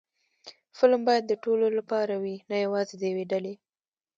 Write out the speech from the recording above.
فلم باید د ټولو لپاره وي، نه یوازې د یوې ډلې